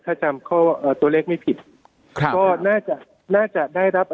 ถ้าจำข้อตัวเลขไม่ผิดครับก็น่าจะน่าจะได้รับ